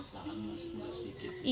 lahan mulai sedikit